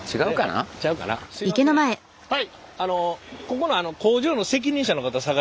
はい。